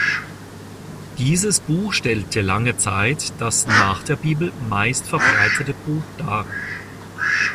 Dieses Buch stellte lange Zeit das nach der Bibel meistverbreitete Buch dar.